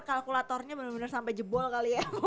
kalkulatornya bener bener sampai jebol kali ya